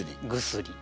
「薬」。